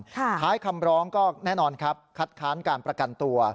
ท้ายคำร้องก็แน่นอนครับคัดค้านการประกันตัว